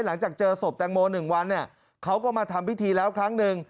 หลังจากเจอศพแตงโม๑วันเนี่ยเขาก็มาทำพิธีแล้วครั้งหนึ่ง